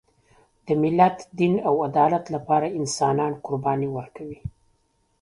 د ملت، دین او عدالت لپاره انسانان قرباني ورکوي.